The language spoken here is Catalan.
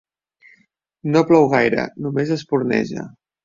No plou gaire, només espurneja.